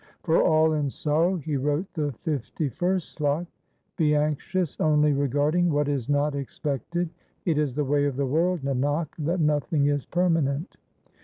For all in sorrow he wrote the fifty first slok :— Be anxious only regarding what is not expected ; It is the way of the world, Nanak, that nothing is per manent.